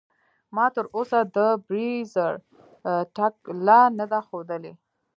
ما تر اوسه د بریځر ټکله نده خودلي.